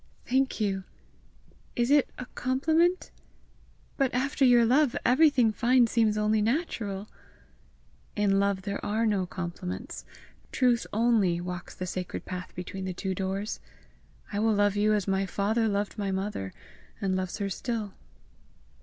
"Thank you. Is it a compliment? But after your love, everything fine seems only natural!" "In love there are no compliments; truth only walks the sacred path between the two doors. I will love you as my father loved my mother, and loves her still."